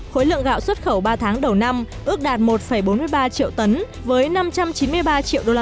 khối lượng gạo xuất khẩu ba tháng đầu năm ước đạt một bốn mươi ba triệu tấn với năm trăm chín mươi ba triệu usd